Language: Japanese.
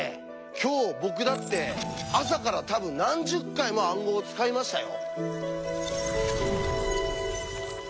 今日僕だって朝から多分何十回も暗号を使いましたよ！